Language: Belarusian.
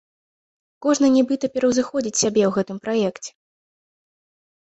Кожны нібыта пераўзыходзіць сябе ў гэтым праекце.